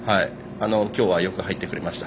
今日はよく入ってくれました。